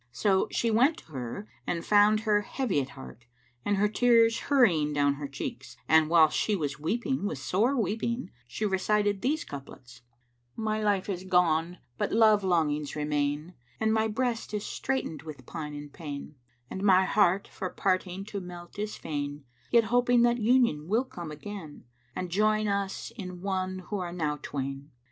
So she went to her and found her heavy at heart and her tears hurrying down her cheeks; and whilst she was weeping with sore weeping she recited these couplets, "My life is gone but love longings remain * And my breast is straitened with pine and pain: And my heart for parting to melt is fain * Yet hoping that union will come again, And join us in one who now are twain.